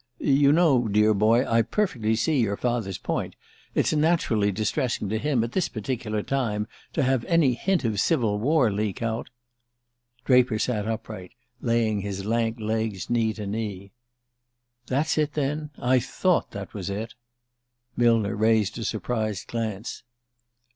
"You know, dear boy, I perfectly see your father's point. It's naturally distressing to him, at this particular time, to have any hint of civil war leak out " Draper sat upright, laying his lank legs knee to knee. "That's it, then? I thought that was it!" Millner raised a surprised glance.